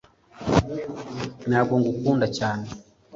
ntabwo ngukunda cyane